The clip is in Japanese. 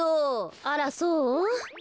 あらそう？